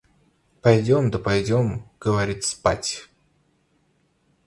Пойдем да пойдем, говорит, спать.